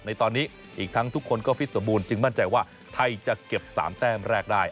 ในตอนนี้อีกทั้งทุกคนก็ฟิตสมบูรณจึงมั่นใจว่าไทยจะเก็บ๓แต้มแรกได้